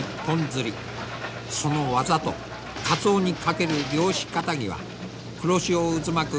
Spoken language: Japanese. その技とカツオに懸ける漁師かたぎは黒潮渦巻く